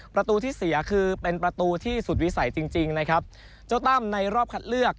ประตูที่เสียคือเป็นประตูที่สุดวิสัยจริงจริงนะครับเจ้าตั้มในรอบคัดเลือก